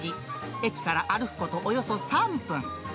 駅から歩くことおよそ３分。